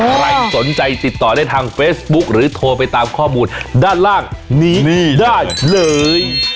ใครสนใจติดต่อได้ทางเฟซบุ๊คหรือโทรไปตามข้อมูลด้านล่างนี้ได้เลย